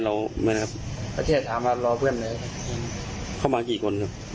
เขามาถามอะไรเราไหมครับ